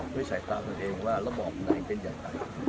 ด้วยสายตาตัวเองว่าระบอบไหนเป็นอย่างไร